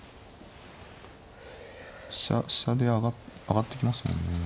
飛車で上がってきますもんね。